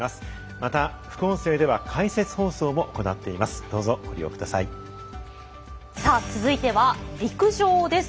また副音声では解説放送も行っています。